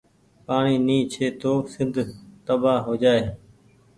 پآڻيٚ ني ڇي تو سند تبآه هوجآئي۔